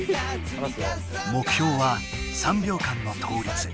目標は３秒間の倒立。